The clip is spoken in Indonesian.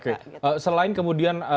oke selain kemudian